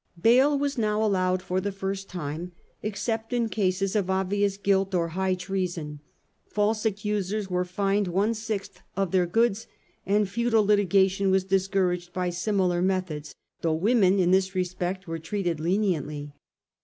Bail was now allowed for the first time, except in cases of obvious guilt or high treason. False accusers were fined one sixth of their goods and futile litigation was discouraged by similar methods, though women in this respect were treated leniently.